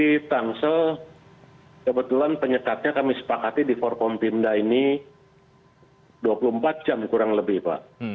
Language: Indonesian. jadi tangsel kebetulan penyekatnya kami sepakati di forpom pimda ini dua puluh empat jam kurang lebih pak